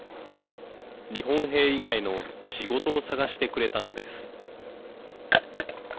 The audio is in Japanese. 日本兵以外の仕事を探してくれたのです。